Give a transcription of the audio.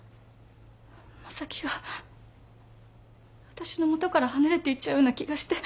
正樹が私の元から離れていっちゃうような気がして。